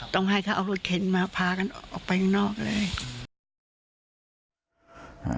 ต้องให้เขาเอารถเข็นมาพากันออกไปข้างนอกเลย